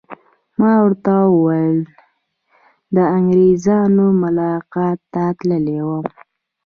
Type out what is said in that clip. ما ورته وویل: د انګریزانو ملاقات ته تللی وم.